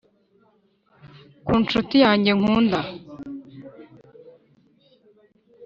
ku nshuti yanjye nkunda